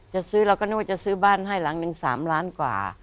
จะซื้อเราก็นึกว่าจะซื้อบ้านให้หลังหนึ่ง๓ล้านกว่า